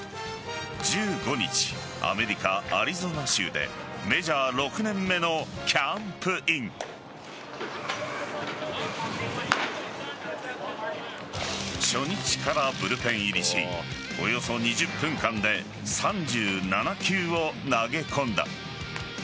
１５日、アメリカ・アリゾナ州でメジャー６年目のキャンプイン。初日からブルペン入りしおよそ２０分間で３７球を投げ込んだ。